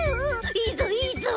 いいぞいいぞ。